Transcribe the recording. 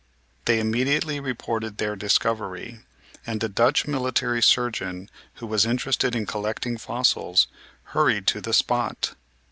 They immediately reported their dis covery, and a Dutch military surgeon who was interested in collecting fossils hurried to the spot.